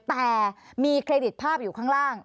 แต่มีเครดิตภาพอยู่ข้างล่าง